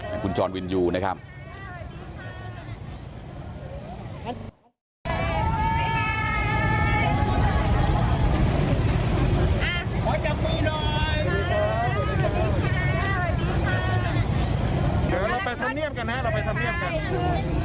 นี่คือคุณจอลวินยูนะคะมาจากเมื่อช่วงเย็น